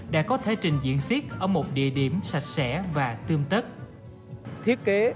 đã có thể trình diễn xiết ở một địa điểm sạch sẽ vô tình